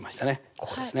ここですね。